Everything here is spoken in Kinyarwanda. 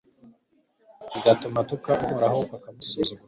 bigatuma atuka Uhoraho akamusuzugura